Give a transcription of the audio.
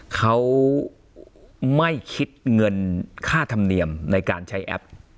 เขาไม่คิดเงินค่าธรรมเนียมในการใช้แอป